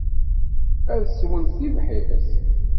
Ad sswent tibḥirt.